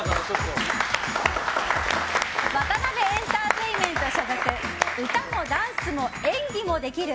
ワタナベエンターテインメント所属歌もダンスも演技もできる